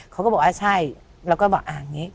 เขาก็บอกว่าใช่แล้วก็บอกอ่าอย่างนี้